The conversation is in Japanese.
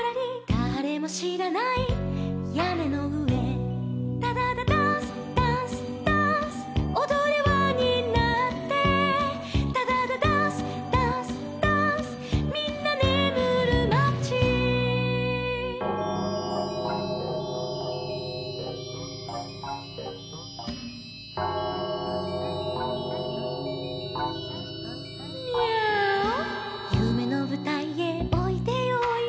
「だれもしらないやねのうえ」「ダダダダンスダンスダンス」「おどれわになって」「ダダダダンスダンスダンス」「みんなねむるまち」「ミャーオ」「ゆめのぶたいへおいでよおいで」